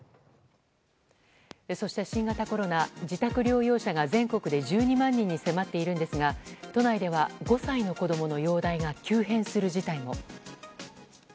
そして、新型コロナ自宅療養者が全国で１２万人に迫っているんですが都内では５歳の子供の容体が急変する事態も。